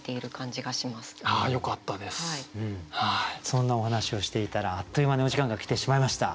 そんなお話をしていたらあっという間にお時間が来てしまいました。